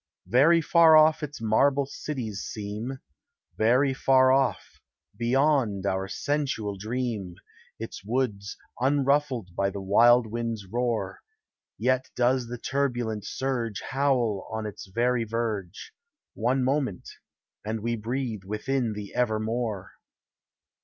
Very far off its marble cities seem — Very far off — beyond our sensual dream — Its woods, unruffled by the wild wind's roar; Yet does the turbulent surge Howl on its very verge. One moment — and we breathe within the Evermore.